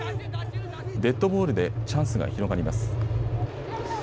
デッドボールでチャンスが広がります。